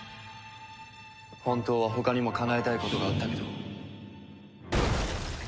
本当は他にもかなえたいことがあったけど。